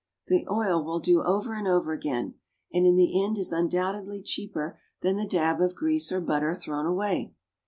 The oil will do over and over again, and in the end is undoubtedly cheaper than the dab of grease or butter thrown away.